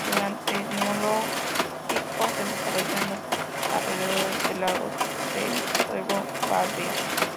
Durante el Neolítico, se desarrolló en los alrededores del lago el pueblo balhae.